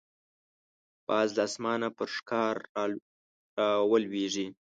باز له اسمانه پر ښکار راولويږي